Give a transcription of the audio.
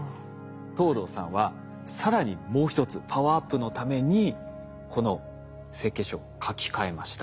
藤堂さんは更にもう１つパワーアップのためにこの設計書を書き換えました。